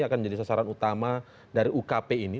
akan menjadi sasaran utama dari ukp ini